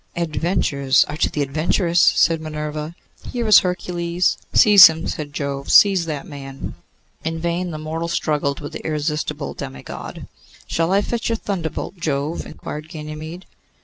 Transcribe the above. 'Adventures are to the adventurous,' said Minerva. 'Here is Hercules! here is Hercules!' 'Seize him!' said Jove; 'seize that man.' In vain the mortal struggled with the irresistible demigod. 'Shall I fetch your thunderbolt, Jove?' inquired Ganymede.